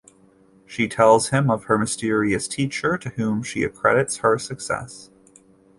She tells him of her mysterious "teacher", to whom she accredits her success.